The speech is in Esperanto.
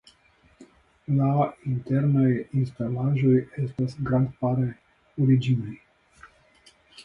La internaj instalaĵoj estas grandparte originaj.